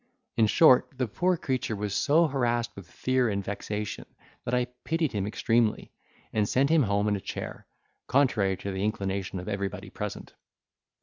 In short, the poor creature was so harassed with fear and vexation, that I pitied him extremely, and sent him home in a chair, contrary to the inclination of everybody present.